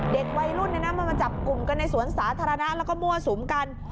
เด็กวัยรุ่นมาจับกลุ่มกันในสวนสาธารณะแล้วก็มั่วสุมกัน